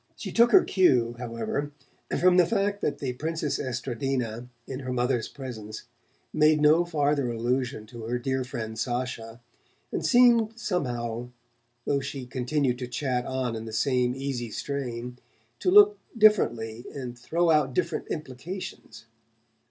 She took her cue, however, from the fact that the Princess Estradina, in her mother's presence, made no farther allusion to her dear friend Sacha, and seemed somehow, though she continued to chat on in the same easy strain, to look differently and throw out different implications.